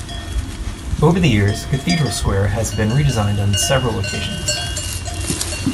Over the years Cathedral Square has been redesigned on several occasions.